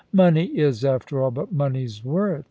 * Money is, after all, but money's worth.